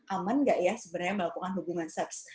aman nggak ya sebenarnya melakukan hubungan seks